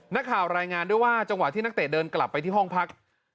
รายงานด้วยว่าจังหวะที่นักเตะเดินกลับไปที่ห้องพัก